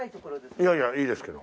いやいやいいですけど。